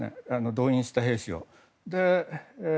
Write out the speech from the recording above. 動員した兵士を。